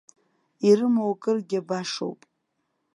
Ирымоукыргьы башоуп.